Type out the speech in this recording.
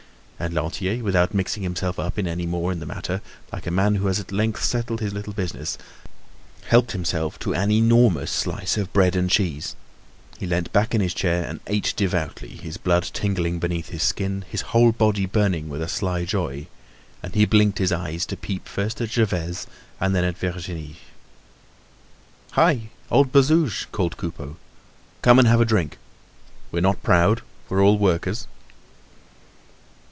And Lantier, without mixing himself up any more in the matter, like a man who has at length settled his little business, helped himself to an enormous slice of bread and cheese; he leant back in his chair and ate devoutly, his blood tingling beneath his skin, his whole body burning with a sly joy, and he blinked his eyes to peep first at Gervaise, and then at Virginie. "Hi! Old Bazouge!" called Coupeau, "come and have a drink. We're not proud; we're all workers."